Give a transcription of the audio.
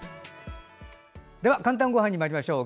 「かんたんごはん」にまいりましょう。